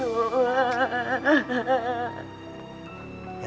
ลูกหนู